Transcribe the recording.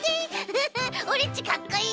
フフッオレっちかっこいい？